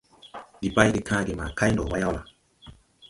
Ndi bay de kããge ma kay ndɔ wà yawla?